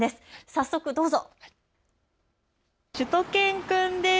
早速、どうぞ。